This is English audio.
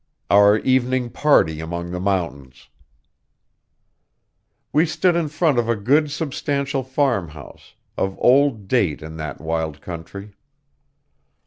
OUR EVENING PARTY AMONG THE MOUNTAINS We stood in front of a good substantial farmhouse, of old date in that wild country.